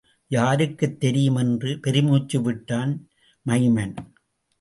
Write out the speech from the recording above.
யாருக்குத் தெரியும்? என்று பெருமூச்சு விட்டான் மைமன்.